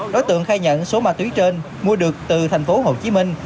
đối tượng khai nhận số ma túy trên mua được từ thành phố hồ chí minh